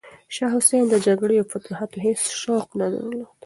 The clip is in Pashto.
شاه حسین د جګړې او فتوحاتو هیڅ شوق نه درلود.